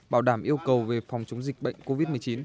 bảo đảm yêu cầu về phòng chống dịch bệnh covid một mươi chín